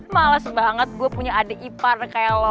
males banget gue punya adik ipar kayak lo